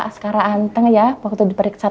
wah askara hanteng ya waktu diperiksa tadi